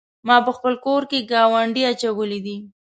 ما په خپل کور کې ګاونډی اچولی دی.